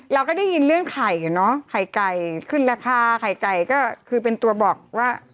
เราก็ได้ยินเรื่องไข่อยู่เนอะไข่ไก่ขึ้นราคาไข่ไก่ก็คือเป็นตัวบอกว่า